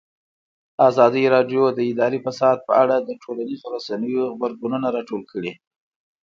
ازادي راډیو د اداري فساد په اړه د ټولنیزو رسنیو غبرګونونه راټول کړي.